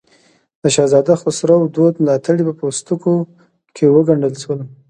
د شهزاده خسرو دوه ملاتړي په پوستکو کې وګنډل شول.